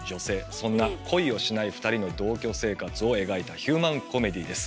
そんな恋をしないふたりの同居生活を描いたヒューマンコメディーです。